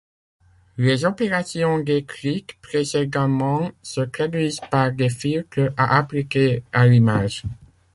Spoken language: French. Les opérations décrites précédemment se traduisent par des filtres à appliquer à l'image.